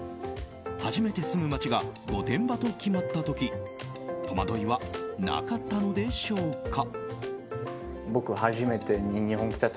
初めて住む街が御殿場と決まった時戸惑いはなかったのでしょうか？